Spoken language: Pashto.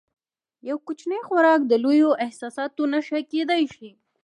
یو کوچنی خوراک د لویو احساساتو نښه کېدای شي.